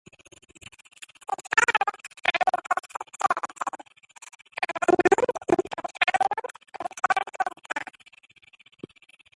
He failed to find this security, and remained in confinement until his death.